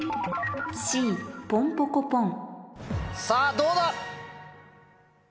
さぁどうだ